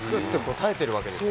耐えてるわけですか？